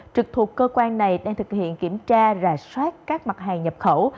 trực thuộc cơ quan này đang thực hiện kiểm tra rà soát các mặt hàng nhập khẩu